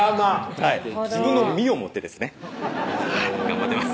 自分の身をもってですね頑張ってます